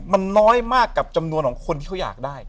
มันน้อยมากกับจำนวนของคนที่เขาอยากได้